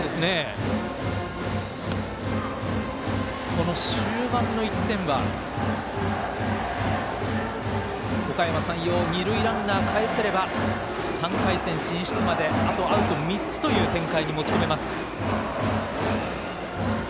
この終盤の１点はおかやま山陽、二塁ランナーかえせれば３回戦進出まであとアウト３つという展開に持ち込めます。